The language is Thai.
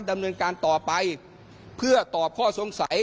ดำเนินการต่อไปเพื่อตอบข้อสงสัย